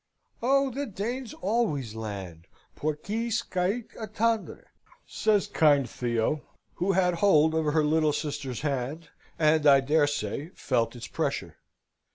"Oh, the Danes always land, pour qui scait attendre!" says kind Theo, who had hold of her sister's little hand, and, I dare say, felt its pressure.